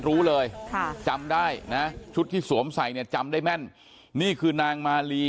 รู้เลยค่ะจำได้นะชุดที่สวมใส่เนี่ยจำได้แม่นนี่คือนางมาลี